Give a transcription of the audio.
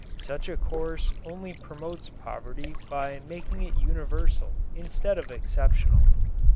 Such a course only promotes poverty by making it universal instead of exceptional.